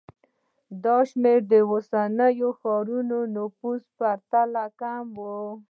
دا شمېر د اوسنیو ښارونو نفوس په پرتله کم و